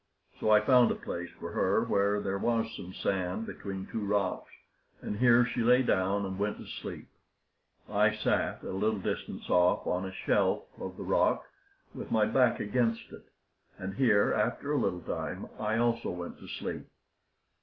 So I found a place for her where there was some sand between two rocks, and here she lay down and went to sleep. I sat at a little distance off on a shelf of the rock, with my back against it, and here, after a little time, I also went to sleep.